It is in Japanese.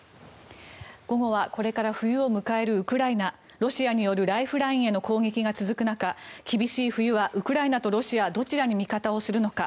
午後はこれから冬を迎えるウクライナロシアによるライフラインへの攻撃が続く中厳しい冬はウクライナとロシアどちらに味方するのか。